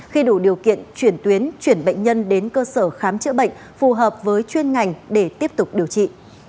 khi đủ điều kiện chuyển tuyến chuyển bệnh nhân đến cơ sở khám chữa bệnh phù hợp với chuyên ngành để tiếp tục điều trị